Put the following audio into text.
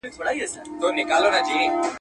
نه یې ختم تر مابین سول مجلسونه.